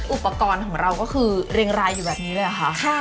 อุปกรณ์ของเราก็คือเรียงรายอยู่แบบนี้เลยเหรอคะ